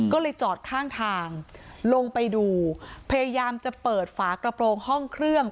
ก็เลยจอดข้างทางลงไปดูพยายามจะเปิดฝากระโปรงห้องเครื่อง